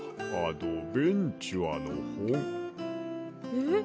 えっ？